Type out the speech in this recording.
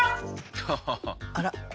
あら。